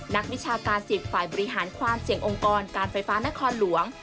นักวิชาการ๑๐ฝ่ายบริหารความเสี่ยงองค์กรการไฟฟ้านครหลวง